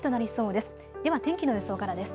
では天気の予想からです。